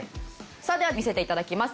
さあでは見せて頂きます。